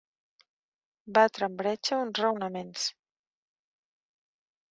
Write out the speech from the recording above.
Batre en bretxa uns raonaments.